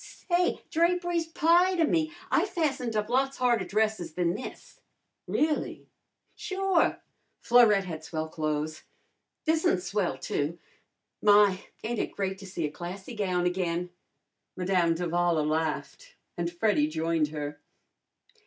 "Say, drapery's pie to me. I fastened up lots harder dresses than this." "Really?" "Sure! Florette had swell clo'es. This'n's swell, too. My! ain't it great to see a classy gown again!" Madame d'Avala laughed and Freddy joined her.